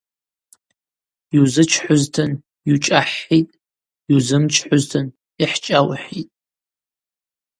Йузычхӏузтын – йучӏахӏхӏитӏ, йузымчхӏузтын – йхӏчӏаухӏитӏ.